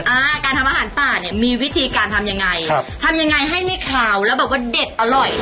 อ่าการทำอาหารป่าเนี่ยมีวิธีการทำยังไงครับทำยังไงให้ไม่ขาวแล้วแบบว่าเด็ดอร่อย